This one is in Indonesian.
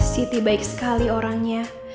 siti baik sekali orangnya